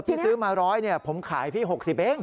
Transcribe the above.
พี่ซื้อมาร้อยเนี่ยผมขายพี่๖๐เอง